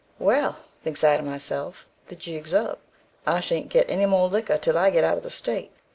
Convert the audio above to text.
Well, thinks I to myself, the jig's up: I sha'n't get any more liquor till I get out of the state."